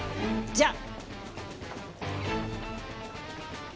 じゃあ！